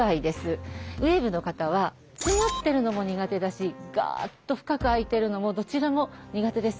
ウエーブの方は詰まってるのも苦手だしガッと深く開いてるのもどちらも苦手です。